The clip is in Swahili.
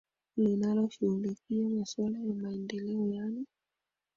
linalo shughulikia maswala ya maendeleo yaani